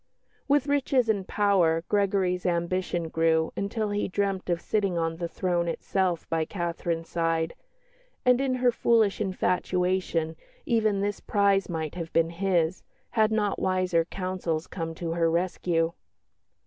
With riches and power, Gregory's ambition grew until he dreamt of sitting on the throne itself by Catherine's side; and in her foolish infatuation even this prize might have been his, had not wiser counsels come to her rescue.